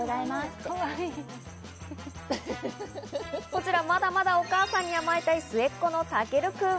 こちら、まだまだお母さんに甘えたい末っ子の尊くん。